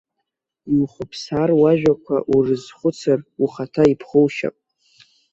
Иухыԥсаар, уажәақәа урызхәыцыр, ухаҭа иԥхоушьап.